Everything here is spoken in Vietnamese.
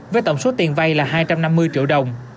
với tổng số tiền vay là hai trăm năm mươi triệu đồng